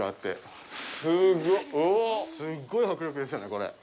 すっごい迫力ですよね、これ。